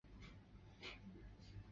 扫扫地、整理货物等等